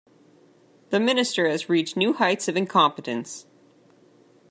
The Minister has reached new heights of incompetence.